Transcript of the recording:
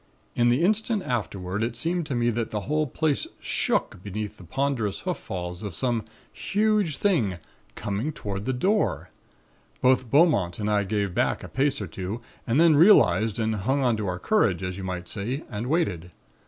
In the instant afterward it seemed to me that the whole place shook beneath the ponderous hoof falls of some huge thing, coming toward the door. Both Beaumont and I gave back a pace or two, and then realized and hung on to our courage, as you might say, and waited.